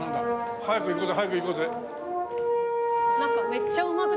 早く行こうぜ早く行こうぜ。